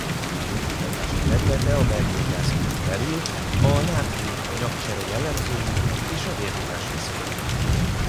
Kutatási területe a belgyógyászaton belül a nátrium-anyagcsere jellemzői és a vérnyomás viszonya.